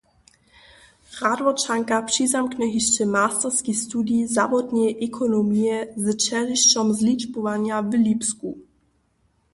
Radworčanka přizamkny hišće masterski studij zawodneje ekonomije z ćežišćom zličbowanja w Lipsku.